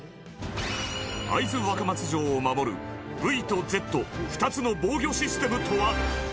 会津若松城を守る、ＶとＺ２つの防御システムとは？